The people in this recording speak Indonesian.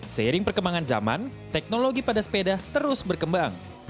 seiring perkembangan zaman teknologi pada sepeda terus berkembang